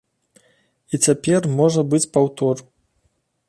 І цяпер можа быць паўтор.